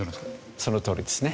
そのとおりですね。